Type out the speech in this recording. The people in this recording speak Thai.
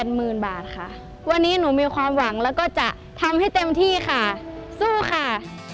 หมื่นบาทค่ะวันนี้หนูมีความหวังแล้วก็จะทำให้เต็มที่ค่ะสู้ค่ะ